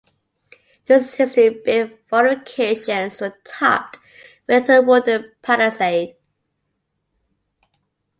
These hastily built fortifications were topped with a wooden palisade.